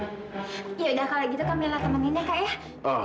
ya udah kalau gitu kamila temeninnya kak ya